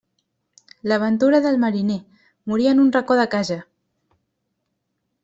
La ventura del mariner: morir en un racó de casa.